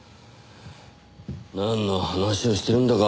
なんの話をしてるんだか。